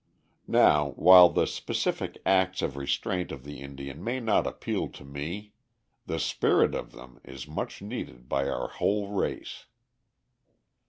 Now, while the specific acts of restraint of the Indian may not appeal to me, the spirit of them is much needed by our whole race.